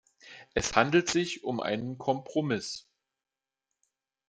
Es handelt sich um einen Kompromiss.